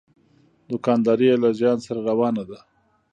دوکانداري یې له زیان سره روانه ده.